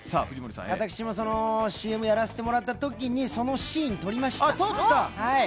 私もＣＭやらせてもらったときにそのシーン、撮りました。